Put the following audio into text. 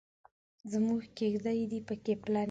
زموږ کیږدۍ دې پکې پلنې.